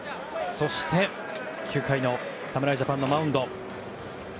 そして９回の侍ジャパンのマウンド。